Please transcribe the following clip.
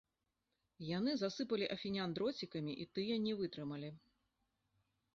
Яны засыпалі афінян дроцікамі і тыя не вытрымалі.